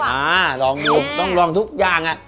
อ่าลองดูต้องลองทุกอย่าง